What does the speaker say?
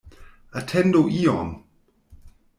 Atendu iom!